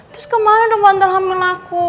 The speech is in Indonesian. terus kemana dong bantal hamil aku